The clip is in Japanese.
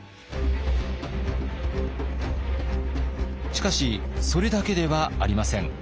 しかしそれだけではありません。